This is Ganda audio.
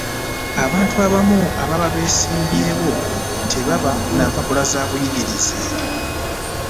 Abantu abamu ababa besimbyewo tebaba na mpapula zabuyigirize.